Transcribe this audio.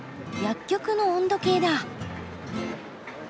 薬局の温度計だ。